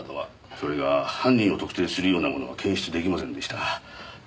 それが犯人を特定するようなものは検出出来ませんでした。